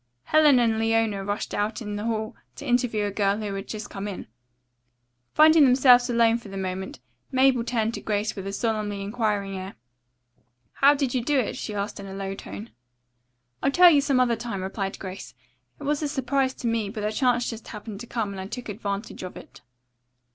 Helen and Leona rushed out in the hall to interview a girl who had just come in. Finding themselves alone for the moment Mabel turned to Grace with a solemnly inquiring air, "How did you do it?" she asked in a low tone. "I'll tell you some other time," replied Grace. "It was a surprise to me, but the chance just happened to come and I took advantage of it."